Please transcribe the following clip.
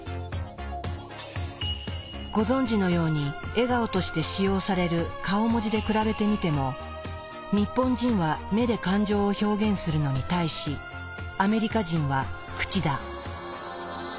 ご存じのように笑顔として使用される顔文字で比べてみても日本人は目で感情を表現するのに対しアメリカ人は口だ。